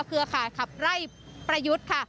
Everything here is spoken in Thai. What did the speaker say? เครือข่ายขับไล่ประยุทธ์ค่ะ